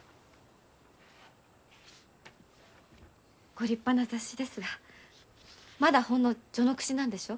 ご立派な雑誌ですがまだほんの序の口なんでしょ？